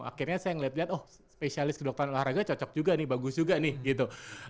akhirnya saya melihat lihat oh spesialis kedokteran olahraga cocok juga nih bagus juga nih gitu